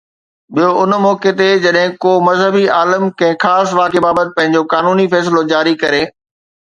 ٻيو، ان موقعي تي جڏهن ڪو مذهبي عالم ڪنهن خاص واقعي بابت پنهنجو قانوني فيصلو جاري ڪري